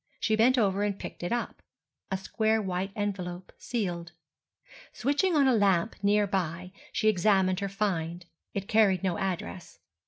She bent over and picked it up: a square white envelope, sealed. Switching on a lamp near by, she examined her find. It carried no address.